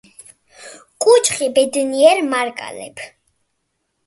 კუჩხი ბედნიერი მარგალეფ